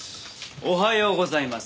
おはようございます。